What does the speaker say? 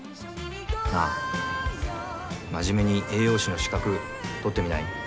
真面目に栄養士の資格取ってみない？